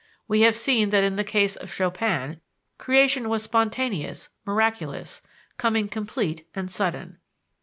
We have seen that in the case of Chopin, "creation was spontaneous, miraculous," coming complete and sudden.